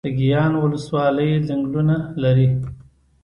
د ګیان ولسوالۍ ځنګلونه لري